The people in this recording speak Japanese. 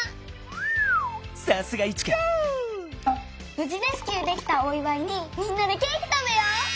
ぶじレスキューできたおいわいにみんなでケーキたべよう。